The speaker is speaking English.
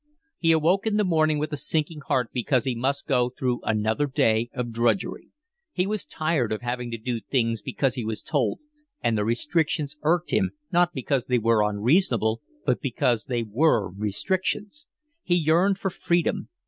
He awoke in the morning with a sinking heart because he must go through another day of drudgery. He was tired of having to do things because he was told; and the restrictions irked him, not because they were unreasonable, but because they were restrictions. He yearned for freedom.